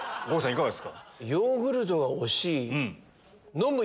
いかがですか？